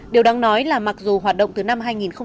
điều đáng nói là mặc dù hoạt động từ năm hai nghìn chín